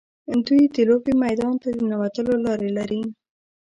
دوی د لوبې میدان ته د ننوتلو لارې لري.